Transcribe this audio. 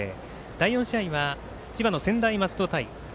第４試合は千葉の専大松戸対